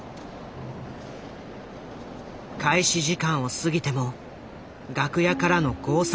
開始時間を過ぎても楽屋からのゴーサインが出ない。